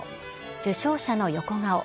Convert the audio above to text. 受賞者の横顔。